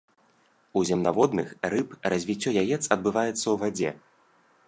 У земнаводных, рыб развіццё яец адбываецца ў вадзе.